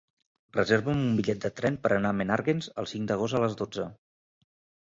Reserva'm un bitllet de tren per anar a Menàrguens el cinc d'agost a les dotze.